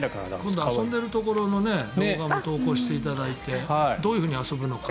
今度、遊んでるところの動画も投稿していただいてどういうふうに遊ぶのか。